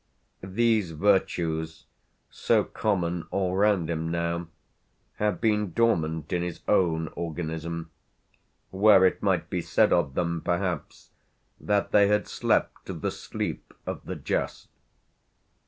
These virtues, so common all round him now, had been dormant in his own organism where it might be said of them perhaps that they had slept the sleep of the just.